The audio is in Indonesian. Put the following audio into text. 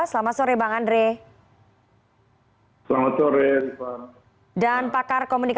selamat sore bang andre